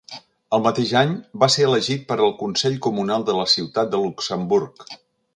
Al mateix any, va ser elegit per al Consell comunal de la ciutat de Luxemburg.